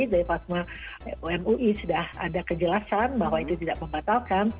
dari plasma mui sudah ada kejelasan bahwa itu tidak membatalkan